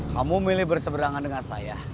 kamu milih berseberangan dengan saya